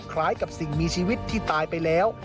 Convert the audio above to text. คล้ายกับสิ่งมีชีวิตที่ตายไปแล้ว